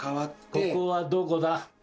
ここはどこだ？